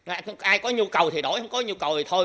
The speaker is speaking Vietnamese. ai có nhu cầu thì đổi không có nhu cầu gì thôi